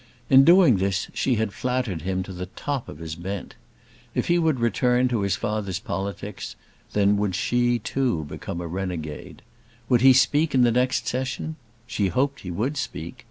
In doing this she had flattered him to the top of his bent. If he would return to his father's politics, then would she too become a renegade. Would he speak in the next Session? She hoped he would speak.